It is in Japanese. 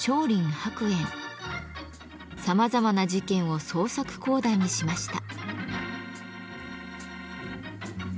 さまざまな事件を創作講談にしました。